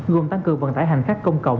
gồm tăng cường vận tải hành khách công cộng